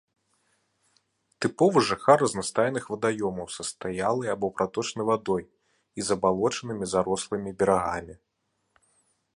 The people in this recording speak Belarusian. Тыповы жыхар разнастайных вадаёмаў са стаялай або праточнай вадой і забалочанымі, зарослымі берагамі.